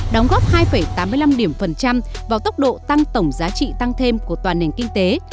đóng góp hai tám mươi năm điểm phần trăm vào tốc độ tăng tổng giá trị tăng thêm của toàn nền kinh tế